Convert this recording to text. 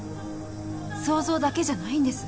想像だけじゃないんです。